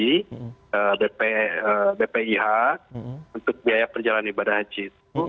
nah itu akan diperkirakan oleh dpih untuk biaya perjalanan ibadah haji